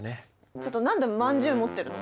ちょっと何でまんじゅう持ってるの？